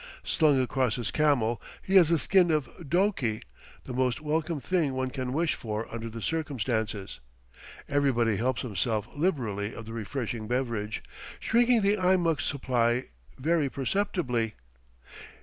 Slung across his camel he has a skin of doke, the most welcome thing one can wish for under the circumstances. Everybody helps himself liberally of the refreshing beverage, shrinking the Eimuck's supply very perceptibly.